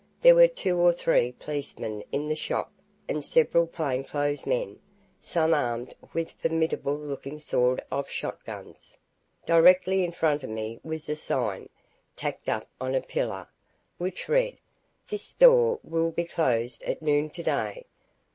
There were two or three policemen in the shop and several plainclothesmen, some armed with formidable looking sawed off shot guns. Directly in front of me was a sign, tacked up on a pillar, which read, "This store will be closed at noon today.